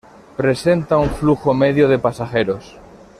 Presenta un flujo medio de pasajeros.